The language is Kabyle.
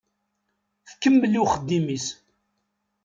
Tkemmel i uxeddim-is.